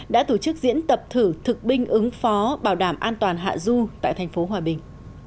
đã tổ chức diễn tập thử thực binh ứng phó bảo đảm an toàn hạ du tại thành phố hòa bình